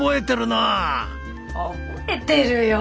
覚えてるよ！